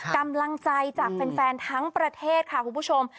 กำลังใจจากแฟนทั้งประเทศค่ะคุณผู้ชม